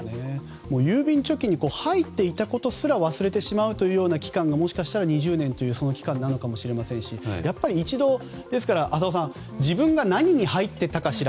郵便貯金に入っていたことすら忘れてしまうような期間がもしかしたら２０年というその期間かもしれませんしやっぱり、一度浅尾さん、自分が何に入っていたかしら。